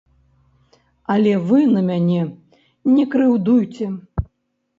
Але вы на мяне не крыўдуйце.